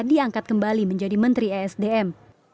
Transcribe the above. diangkat kembali menjadi menteri esdm